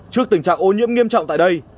trước tình trạng ô nhiễm nghiêm trọng tại đây